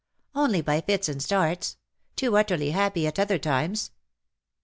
'^ Only by fits and starts. Too utterly happy at other times."